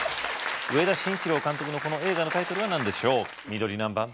上田慎一郎監督のこの映画のタイトルは何でしょう緑何番？